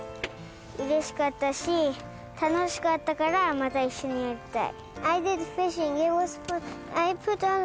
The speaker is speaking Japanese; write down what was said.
「うれしかったし楽しかったからまた一緒にやりたい」